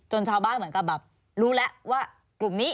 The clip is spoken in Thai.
ชาวบ้านเหมือนกับแบบรู้แล้วว่ากลุ่มนี้